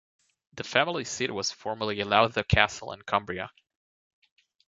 The family seat was formerly Lowther Castle in Cumbria.